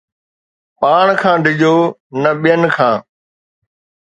پاڻ کان ڊڄو نه ٻين کان